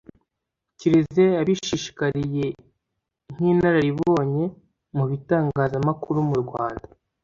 kiliziya yabishishikariye nk'inararibonye mu bitangazamakuru mu rwanda